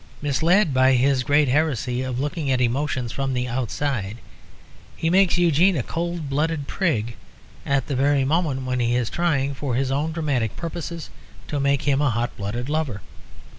Misled by his great heresy of looking at emotions from the outside, he makes Eugene a cold blooded prig at the very moment when he is trying, for his own dramatic purposes, to make him a hot blooded lover.